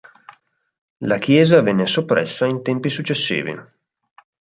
La chiesa venne soppressa in tempi successivi.